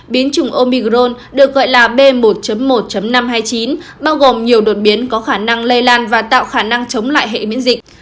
biến chủng omi gron được gọi là b một một năm trăm hai mươi chín bao gồm nhiều đột biến có khả năng lây lan và tạo khả năng chống lại hệ miễn dịch